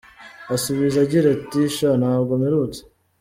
asubiza agira ati, Sha ntabwo mperutse.